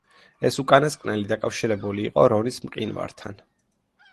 ეს უკანასკნელი დაკავშირებული იყო რონის მყინვართან.